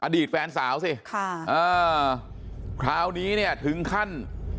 อดีตแฟนสาวสิค่ะเออคราวนี้เนี่ยถึงขั้น